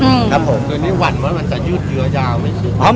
วันไว้มันจะยืดเยื้อยาวไหม